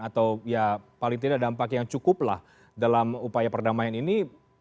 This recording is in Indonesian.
atau ya paling tidak dampak yang cukup lah dalam upaya perdamaian ini